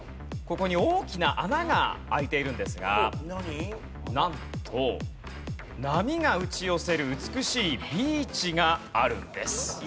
ここに大きな穴が開いているんですがなんと波が打ち寄せる美しいビーチがあるんです。